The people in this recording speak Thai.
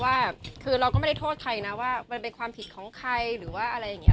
ว่าคือเราก็ไม่ได้โทษใครนะว่ามันเป็นความผิดของใครหรือว่าอะไรอย่างนี้